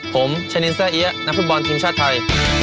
ผมชะนินแซ่เอี๊ยนักฟุตบอลทีมชาติไทย